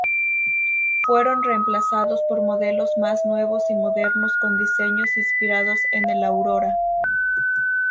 Fueron reemplazados por modelos más nuevos y modernos con diseños inspirados en el Aurora.